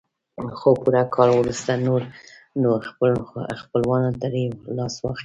خو پوره کال وروسته نور نو خپل خپلوانو ترې لاس واخيست.